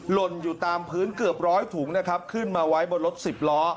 หล่นอยู่ตามพื้นเกือบร้อยถุงนะครับขึ้นมาไว้บนรถสิบล้อ